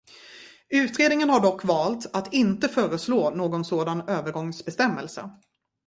Utredningen har dock valt att inte föreslå någon sådan övergångsbestämmelse.